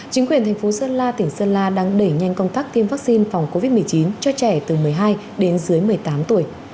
chính quyền thành phố sơn la tỉnh sơn la đang đẩy nhanh công tác tiêm vaccine phòng covid một mươi chín cho trẻ từ một mươi hai đến dưới một mươi tám tuổi